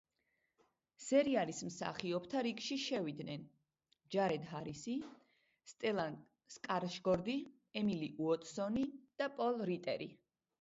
სერიალის მსახიობთა რიგში შევიდნენ: ჯარედ ჰარისი, სტელან სკარშგორდი, ემილი უოტსონი და პოლ რიტერი.